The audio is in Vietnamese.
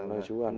nơi trú ẩn